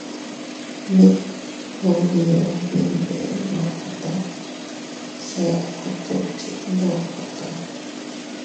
Mit ubi ubi iyndeʼe ndokota se a kot dukchit ndokota.